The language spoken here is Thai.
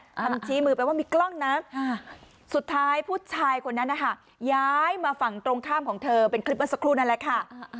ทำชี้มือไปว่ามีกล้องนะ